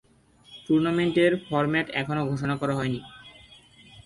Tournament এর format এখনো ঘোষণা করা হয়নি।